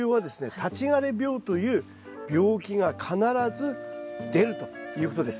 立ち枯れ病という病気が必ず出るということです。